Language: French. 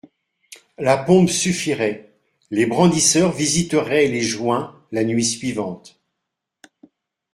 La pompe suffirait, les brandisseurs visiteraient les joints, la nuit suivante.